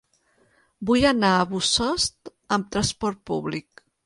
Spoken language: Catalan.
Vull anar a Bossòst amb trasport públic.